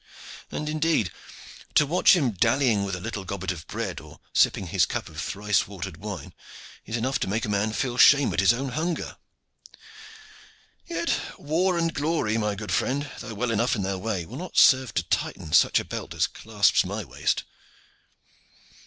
And indeed to watch him dallying with a little gobbet of bread, or sipping his cup of thrice watered wine, is enough to make a man feel shame at his own hunger. Yet war and glory, my good friend, though well enough in their way, will not serve to tighten such a belt as clasps my waist."